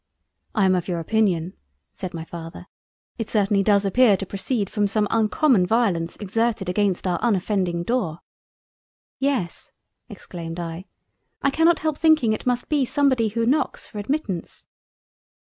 "I am of your opinion; (said my Father) it certainly does appear to proceed from some uncommon violence exerted against our unoffending door." "Yes (exclaimed I) I cannot help thinking it must be somebody who knocks for admittance."